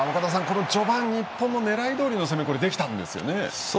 日本の狙いどおりの攻めできたんですよね。